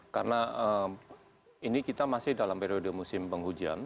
karena ini kita masih dalam periode musim penghujan